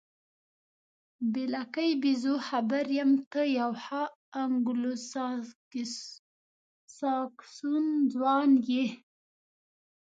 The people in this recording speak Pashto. بې لکۍ بیزو، خبر یم، ته یو ښه انګلوساکسون ځوان یې.